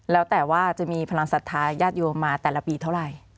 แล้วแต่ว่าจะมีพลังศรัทธาญาติโยมมาแต่ละปีเท่าไหร่